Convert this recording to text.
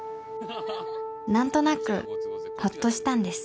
なんとなくホッとしたんです